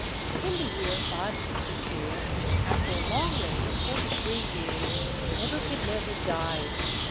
In the year 562, after a long reign of forty three years, Nebuchadnezzar died.